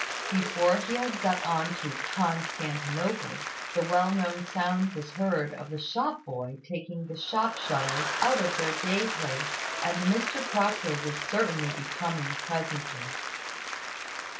Before he had got on to "Constantinople," the well known sound was heard of the shop boy taking the shop shutters out of their day place, and Mr Proctor would certainly be coming presently.